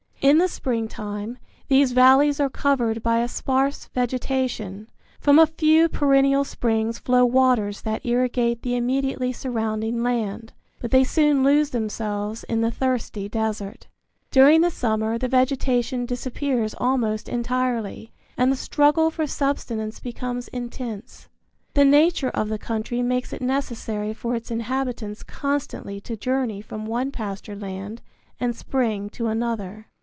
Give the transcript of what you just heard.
In the springtime these valleys are covered by a sparse vegetation; from a few perennial springs flow waters that irrigate the immediately surrounding land; but they soon lose themselves in the thirsty desert. During the summer the vegetation disappears almost entirely, and the struggle for subsistence becomes intense. The nature of the country makes it necessary for its inhabitants constantly to journey from one pasture land and spring to another.